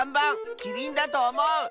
キリンだとおもう！